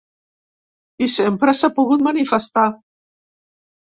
I sempre s’ha pogut manifestar.